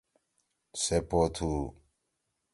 سے پو تُھو۔